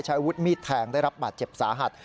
อาวุธมีดแทงได้รับบาดเจ็บสาหัส